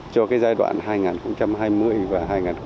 cho giai đoạn hai nghìn hai mươi và hai nghìn hai mươi năm